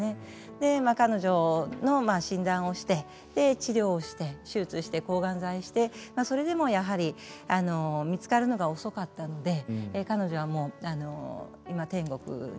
でまあ彼女の診断をしてで治療して手術して抗がん剤してそれでもやはり見つかるのが遅かったので彼女はもう今天国にいるんですね。